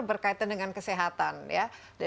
berkaitan dengan kesehatan ya